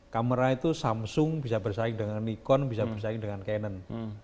kamera itu samsung bisa bersaing dengan nicon bisa bersaing dengan cannon